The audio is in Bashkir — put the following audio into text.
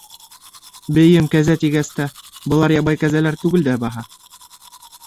— Бейем, кәзә тигәс тә, былар ябай кәзәләр түгел дә баһа.